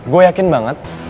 gue yakin banget